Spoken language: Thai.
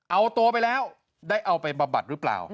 เอาตัวไปแล้วได้เอาไปบำบัดหรือเปล่า